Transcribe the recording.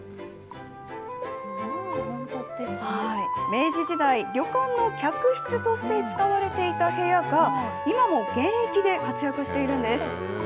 明治時代、旅館の客室として使われていた部屋が、今も現役で活躍しているんです。